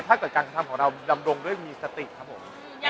ถ้าเกิดการกระทำของเราดำรงด้วยมีสติครับผม